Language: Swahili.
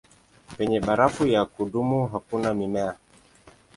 Penye barafu ya kudumu hakuna mimea.